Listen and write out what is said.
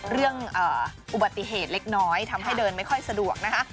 เรื่องอุบัติเหตุเล็กน้อยทำให้เดินไม่ค่อยสะดวกนะคะ